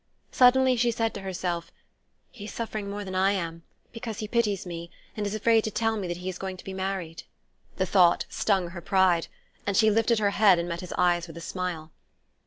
Suddenly she said to herself: "He's suffering more than I am, because he pities me, and is afraid to tell me that he is going to be married." The thought stung her pride, and she lifted her head and met his eyes with a smile.